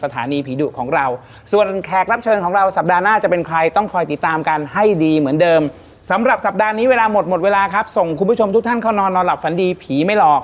ตั๊กแก่อันนี้น่ากลัวกว่าผี